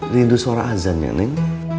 rindu suara azan ya neng